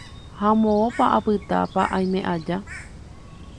ha moõpa apytáta aime aja.